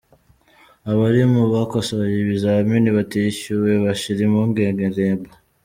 Abarimu bakosoye ibizamini batishyuwe bashire impungenge rembu